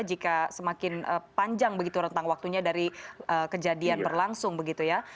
jika semakin panjang begitu rentang waktunya dari kejadian berlangsung begitu ya